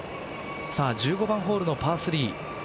１５番ホールのパー３。